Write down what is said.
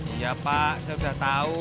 iya pak saya udah tau